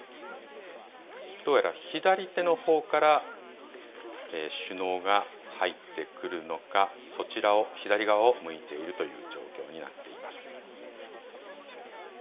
どうやら左手のほうから首脳が入ってくるのか、そちらを、左側を向いているという状況になっています。